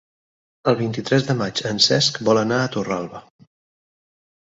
El vint-i-tres de maig en Cesc vol anar a Torralba.